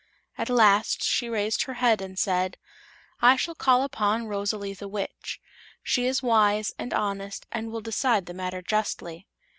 At last she raised her head and said: "I shall call upon Rosalie the Witch. She is wise and honest and will decide the matter justly."